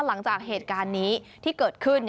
หลังจากเหตุการณ์นี้ที่เกิดขึ้น